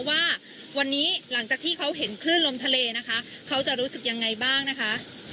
ว่าวันนี้หลังจากที่เขาเห็นคลื่นลมทะเลนะคะเขาจะรู้สึกยังไงบ้างนะคะ